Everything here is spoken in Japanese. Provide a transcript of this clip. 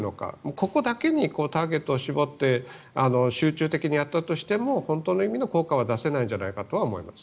ここだけにターゲットを絞って集中的にやったとしても本当の意味の効果は出せないんじゃないかと思います。